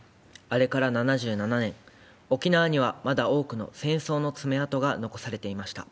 あれから７７年、沖縄にはまだ多くの戦争の爪痕が残されていました。